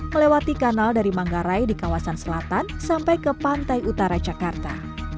melewati kanal dari manggarai di kawasan selatan sampai ke pantai utara jakarta